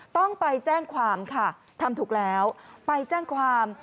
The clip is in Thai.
ต้องไปแจ้งความค่ะทำถูกแล้วไปแจ้งความ